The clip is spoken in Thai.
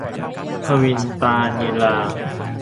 ควินตานิลลา